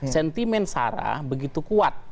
sentimen sarah begitu kuat